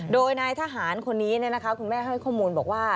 โดยนายทหารคนนี้คุณแม่ให้ข้อมูลบอกว่า